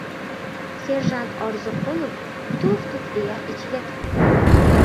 Serjant Orziqulov tuf-tuf, deya, ichiga tufladi.